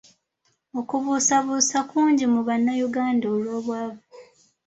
Okubuusabuusa kungi mu Bannayuganda olw’obwavu.